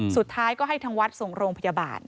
สุดท้ายก็ให้ทางวัดส่งโรงพยาบาล